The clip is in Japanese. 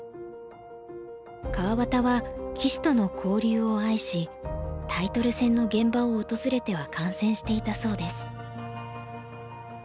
川端は棋士との交流を愛しタイトル戦の現場を訪れては観戦していたそうです。